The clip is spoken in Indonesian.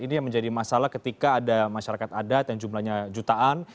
ini yang menjadi masalah ketika ada masyarakat adat yang jumlahnya jutaan